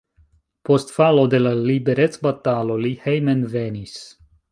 Post falo de la liberecbatalo li hejmenvenis.